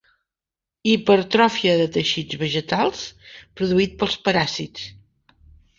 Hipertròfia de teixits vegetals produït pels paràsits.